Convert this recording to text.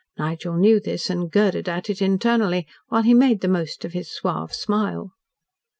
Nigel knew this and girded at it internally, while he made the most of his suave smile.